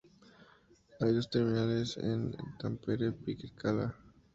Hay dos terminales en Tampere-Pirkkala.